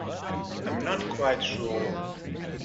I'm not quite sure.